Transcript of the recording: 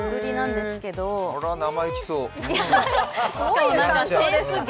あら、生意気そう。